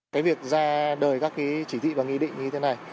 cái việc ra đời các cái chỉ thị và nghị định như thế này